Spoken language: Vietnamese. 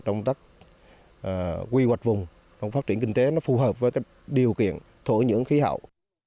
đồng tắc quy hoạch vùng phát triển kinh tế phù hợp với điều kiện thuộc những khí hậu